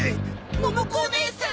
モモ子お姉さん！